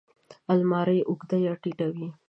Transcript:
الماري اوږده یا ټیټه وي